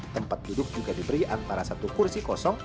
tempat duduk juga diberi antara satu kursi kosong